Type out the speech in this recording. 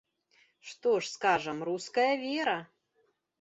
Што ж, скажам, руская вера!